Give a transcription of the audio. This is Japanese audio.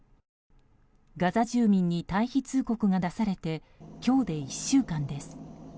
ガザ住民に退避通告が出されて今日で１週間です。